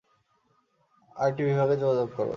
IT বিভাগে যোগাযোগ কর।